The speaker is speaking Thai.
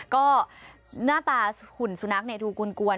ก็หน้าตาหุ่นสุนักเนี่ยดูกลวนกวน